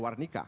di luar nikah